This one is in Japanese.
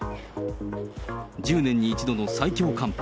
１０年に一度の最強寒波。